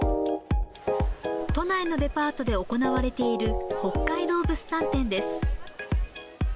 都内のデパートで行われている、北海道物産展です。